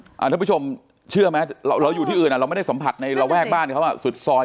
ท่านผู้ชมเชื่อไหมเราอยู่ที่อื่นเราไม่ได้สัมผัสในระแวกบ้านเขาสุดซอย